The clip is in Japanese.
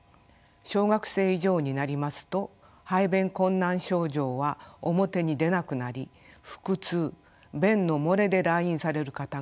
小学生以上になりますと排便困難症状は表に出なくなり腹痛便の漏れで来院される方が増えます。